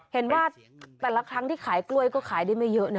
เห็นว่าแต่ละครั้งที่ขายกล้วยก็ขายได้ไม่เยอะนะ